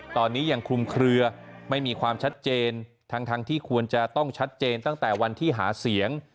ตอนนี้ยังคลุมเคลือไม่มีความชัดเจนทั้งที่ควรจะต้องชัดเจนตั้งแต่วันที่หาเสียง